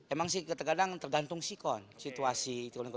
emang sih terkadang tergantung sikon situasi